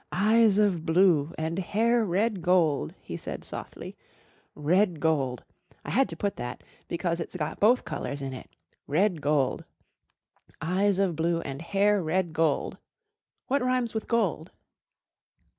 "'Eyes of blue and hair red gold,'" he said softly. "Red gold. I had to put that because it's got both colours in it. Red gold, 'Eyes of blue and hair red gold.' What rhymes with gold?"